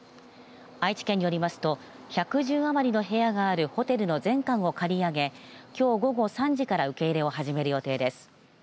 愛知県によりますと１１０余りの部屋があるホテルの全館を借り上げきょう午後３時から受け入れを始める予定です。